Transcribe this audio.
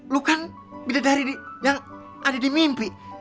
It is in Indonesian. lu kan beda dari yang ada di mimpi